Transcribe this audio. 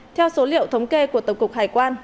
theo số liệu thống kê của tổng cục hải quan